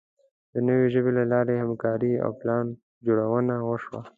د نوې ژبې له لارې همکاري او پلانجوړونه وشوه.